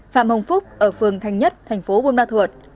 phạm hồng phúc ở phường thanh nhất thành phố buôn ma thuột